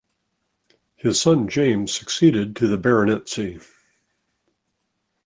His son James succeeded to the baronetcy.